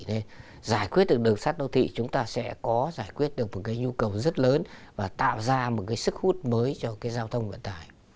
để giải quyết được đường sắt đô thị chúng ta sẽ có giải quyết được một cái nhu cầu rất lớn và tạo ra một cái sức hút mới cho cái giao thông vận tải